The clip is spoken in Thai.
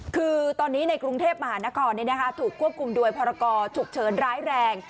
คือตอนนี้ในกรุงเทพมหานครถูกควบคุมโดยพรกรฉุกเฉินร้ายแรง